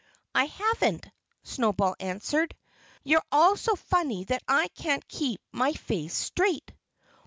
"I haven't," Snowball answered. "You're all so funny that I can't keep my face straight."